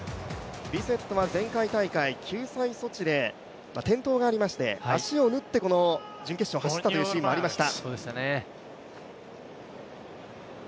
ビセットは前回大会救済措置で転倒がありまして、足を縫って準決勝を走ったというシーンもありました。